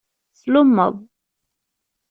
Slummeḍ.